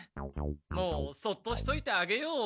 もうそっとしといてあげよう。